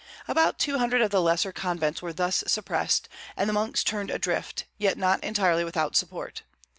About two hundred of the lesser convents were thus suppressed, and the monks turned adrift, yet not entirely without support.